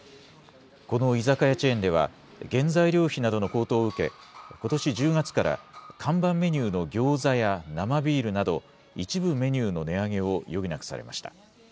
この居酒屋チェーンでは原材料費などの高騰を受け、ことし１０月から看板メニューのギョーザや生ビールなど、一部メニューの値上げを余儀なくされました。